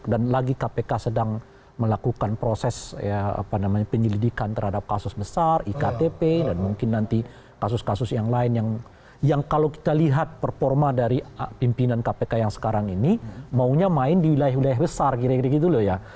dan lagi kpk sedang melakukan proses penyelidikan terhadap kasus besar iktp dan mungkin nanti kasus kasus yang lain yang kalau kita lihat performa dari pimpinan kpk yang sekarang ini maunya main di wilayah wilayah besar kira kira gitu loh ya